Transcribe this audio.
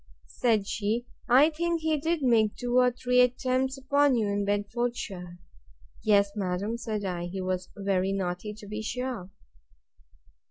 Said she, I think he did make two or three attempts upon you in Bedfordshire? Yes, madam, said I; he was very naughty, to be sure.